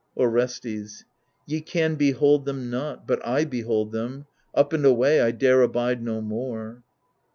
Orestes Ye can behold them not, but I behold them. Up and away ! I dare abide no more.